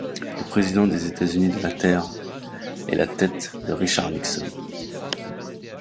Le président des États-Unis de la Terre est la tête de Richard Nixon.